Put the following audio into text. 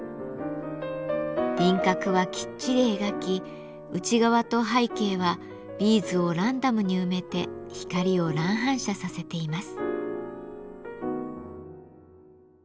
輪郭はきっちり描き内側と背景はビーズをランダムに埋めて光を乱反射させています。